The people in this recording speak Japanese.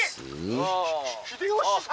ひ秀吉様！